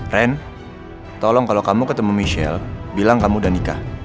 ren tolong kalau kamu ketemu michelle bilang kamu udah nikah